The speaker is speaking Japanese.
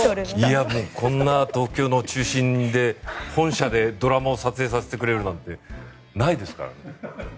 こんな東京の中心で本社でドラマを撮影させてくれるなんてないですからね。